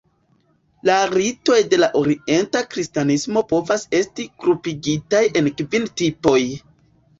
La ritoj de la Orienta Kristanismo povas esti grupigitaj en kvin tipoj.